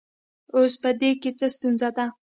اوس په دې کې څه ستونزه ده